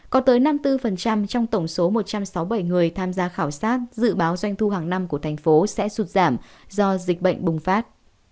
có tới năm mươi bốn trong tổng số một trăm sáu mươi bảy người tham gia khảo sát dự báo doanh thu hàng năm của thành phố sẽ sụt giảm do dịch bệnh bùng phát